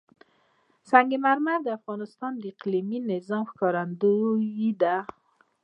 سنگ مرمر د افغانستان د اقلیمي نظام ښکارندوی ده.